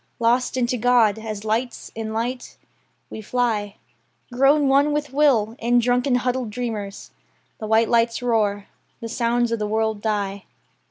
Lost into God, as lights in light, we fly, Grown one with will, end drunken huddled dreamers. The white lights roar. The sounds of the world die.